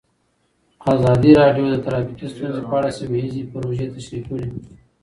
ازادي راډیو د ټرافیکي ستونزې په اړه سیمه ییزې پروژې تشریح کړې.